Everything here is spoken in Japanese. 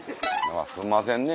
すんませんね